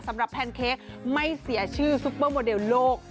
แพนเค้กไม่เสียชื่อซุปเปอร์โมเดลโลก